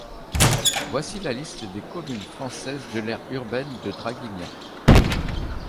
Voici la liste des communes françaises de l'aire urbaine de Draguignan.